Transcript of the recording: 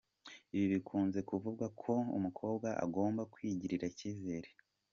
Ibi bikunze kuvugwa ko umukobwa agomba kwigirira icyizere.